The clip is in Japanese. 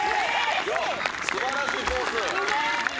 ・素晴らしいコース。